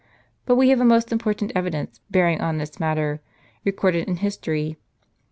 But we have a most important evidence bearing on this uiatter, recorded in history.